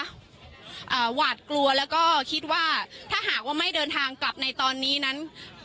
หวาดกลัวแล้วก็คิดว่าถ้าหากว่าไม่เดินทางกลับในตอนนี้นั้น